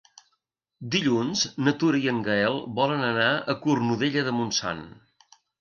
Dilluns na Tura i en Gaël volen anar a Cornudella de Montsant.